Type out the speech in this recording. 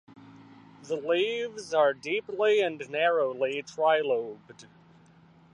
The leaves are deeply and narrowly trilobed.